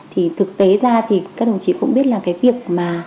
thì thực tế ra thì các đồng chí cũng biết là cái việc mà